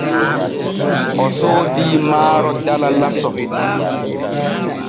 O soodii maaro dala laso.